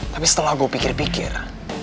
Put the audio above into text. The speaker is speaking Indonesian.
tapi setelah gue pikir pikir